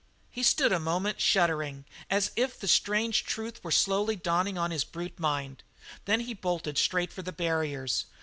He stood a moment shuddering, as if the strange truth were slowly dawning on his brute mind; then he bolted straight for the barriers.